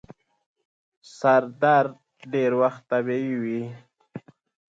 سردرد ډير وخت طبیعي وي.